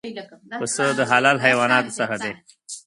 پسه د حلال حیواناتو څخه دی.